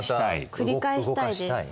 繰り返したいです